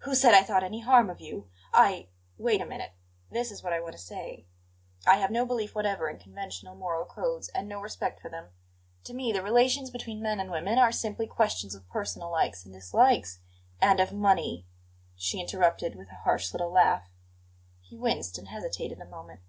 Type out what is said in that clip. "Who said I thought any harm of you? I " "Wait a minute. This is what I want to say: I have no belief whatever in conventional moral codes, and no respect for them. To me the relations between men and women are simply questions of personal likes and dislikes " "And of money," she interrupted with a harsh little laugh. He winced and hesitated a moment.